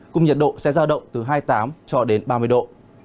cùng nhật độ sẽ giao động từ hai mươi tám cho đến ba mươi độ